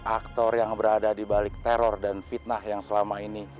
aktor yang berada di balik teror dan fitnah yang selama ini